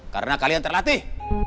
karena kalian terlatih